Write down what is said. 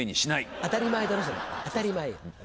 当たり前だなそれ当たり前よ。